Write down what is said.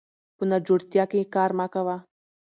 په ناجوړتيا کې کار مه کوه